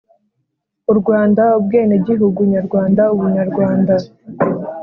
U Rwanda Ubwenegihugu Nyarwanda Ubunyarwanda